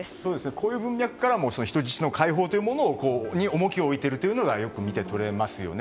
こういう文脈からも人質の解放に重きを置いているのが見て取れますよね。